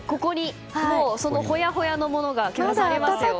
そのほやほやのものがありますよ。